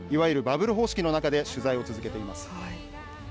いわゆるバブル方式の中で取材を続けています。